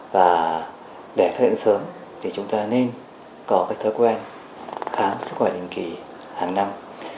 và để phát hiện sớm thì chúng ta nên có cái thói quen khám sức khỏe định kỳ hàng năm